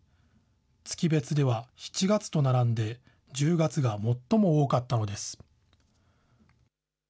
月別では７月と並んで、１０月が最も多かったのです。